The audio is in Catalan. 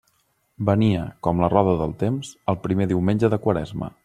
Venia, com la roda del temps, el primer diumenge de Quaresma.